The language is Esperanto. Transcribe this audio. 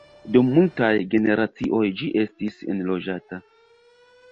Dum multaj generacioj ĝi estis enloĝata.